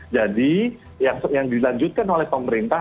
jadi yang dilanjutkan oleh pemerintah